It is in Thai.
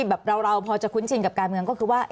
แบบเราพอจะคุ้นชินกับการเมืองก็คือว่า